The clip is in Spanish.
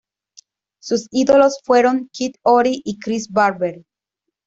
Sus ídolos fueron Kid Ory y Chris Barber.